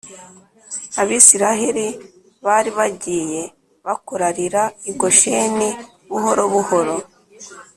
abisiraheli bari bagiye bakorarira i gosheni buhoro buhoro.